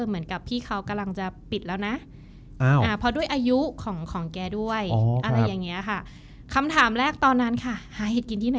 เอาละเธอสนมั้ย